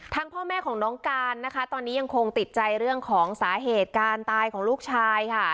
พ่อแม่ของน้องการนะคะตอนนี้ยังคงติดใจเรื่องของสาเหตุการตายของลูกชายค่ะ